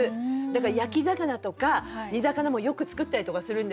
だから焼き魚とか煮魚もよく作ったりとかするんですよ。